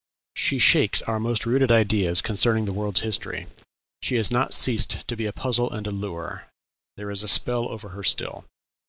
She shakes our most rooted ideas concerning the world's history; she has not ceased to be a puzzle and a lure: there is a spell over her still."